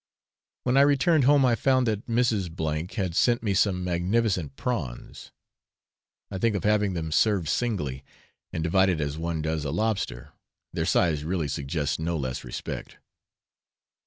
When I returned home, I found that Mrs. F had sent me some magnificent prawns. I think of having them served singly, and divided as one does a lobster their size really suggests no less respect.